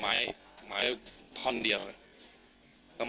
เค้าก็ได้บอกอะไร